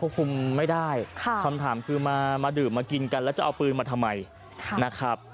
คุมไม่ได้คำถามคือมาดื่มมากินกันแล้วจะเอาปืนมาทำไมนะครับ